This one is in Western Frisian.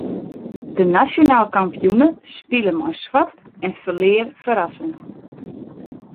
De nasjonaal kampioene spile mei swart en ferlear ferrassend.